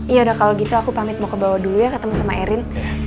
iya ya udah kalau gitu aku pamit mau kebawa dulu ya ketemu sama erin